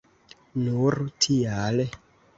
Nur tial?